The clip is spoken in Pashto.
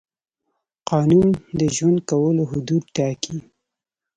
قانون د ژوند کولو حدود ټاکي.